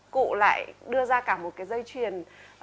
cụ lại đưa ra cả một cái dây truyền